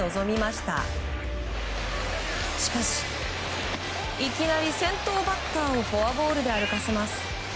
しかし、いきなり先頭バッターをフォアボールで歩かせます。